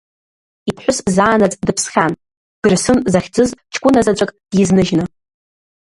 Иԥҳәыс заанаҵ дыԥсхьан, Дырсын захьӡыз ҷкәына заҵәык дизныжьны.